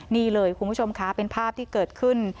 นี่เลยคุณผู้ชมค่ะเป็นภาพที่เกิดขึ้น